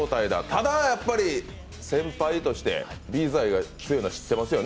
ただやっぱり先輩としてＢ’ｚ愛が強いのは知っていますよね？